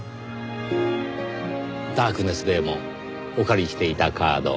ダークネスデーモンお借りしていたカード。